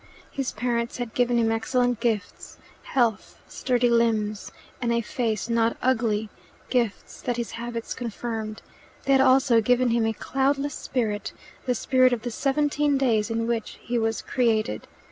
His parents had given him excellent gifts health, sturdy limbs, and a face not ugly, gifts that his habits confirmed. They had also given him a cloudless spirit the spirit of the seventeen days in which he was created.